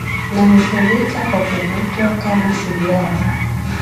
Na hutumika kwa kuvutwa kama sigara